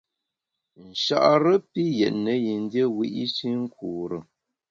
Nchare pi yètne yin dié wiyi’shi nkure.